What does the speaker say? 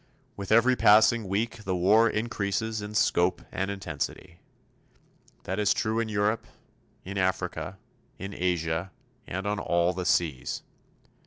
With every passing week the war increases in scope and intensity. That is true in Europe, in Africa, in Asia, and on all the seas.